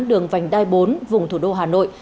đường vành đai bốn vùng thủ đô hà nội